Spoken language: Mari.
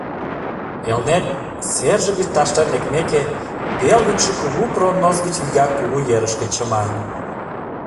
Элнет, серже гыч ташлен лекмеке, пел вӱдшӧ Кугу пронос гыч вигак Кугу ерышке чыма.